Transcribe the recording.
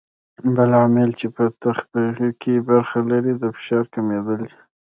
بل عامل چې په تبخیر کې برخه لري د فشار کمېدل دي.